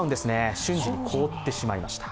瞬時に凍ってしまいました。